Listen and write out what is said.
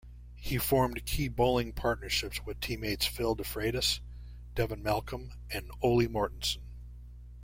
He formed key bowling partnerships with teammates Phil DeFreitas, Devon Malcolm and Ole Mortensen.